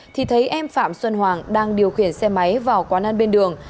thì thấy em phạm xuân hoàng đang điều khiển xe máy vào quán ăn bên đường